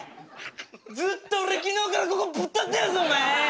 ずっと俺昨日からここぶっ立ってるぞお前！